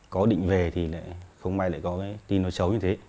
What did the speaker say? có định về thì không may lại có tin nó xấu như thế